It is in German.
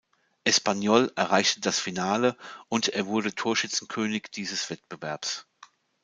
Espanyol erreichte das Finale und er wurde Torschützenkönig dieses Wettbewerbs.